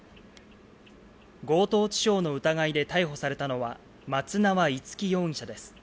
強盗致傷の疑いで逮捕されたのは、松縄樹容疑者です。